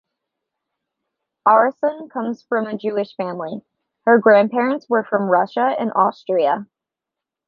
Aronson comes from a Jewish family; her grandparents were from Russia and Austria.